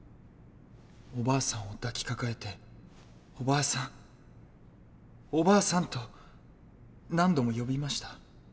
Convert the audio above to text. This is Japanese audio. おばあさんを抱きかかえて「おばあさんおばあさん！」と何度も呼びました。